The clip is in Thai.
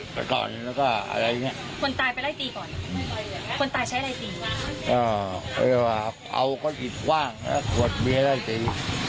เพราะว่าเอาก็อิดกว้างแล้วขวดเบียนได้สิ